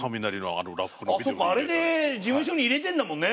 あれで事務所に入れてんだもんね。